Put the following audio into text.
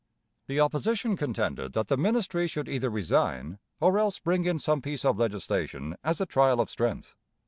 The opposition contended that the ministry should either resign, or else bring in some piece of legislation as a trial of strength.